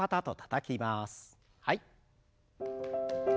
はい。